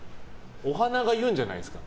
お花が言うんじゃないんですか？